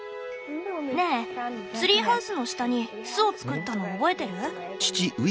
ねえツリーハウスの下に巣を作ったの覚えてる？